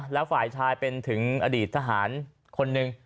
แล้วฝ่ายชายเป็นถึงอดีตทหารคนหนึ่ง